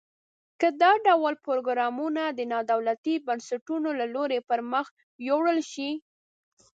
که دا ډول پروګرامونه د نا دولتي بنسټونو له لوري پرمخ یوړل شي.